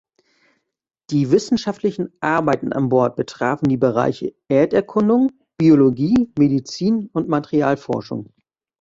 Die wissenschaftlichen Arbeiten an Bord betrafen die Bereiche Erderkundung, Biologie, Medizin und Materialforschung.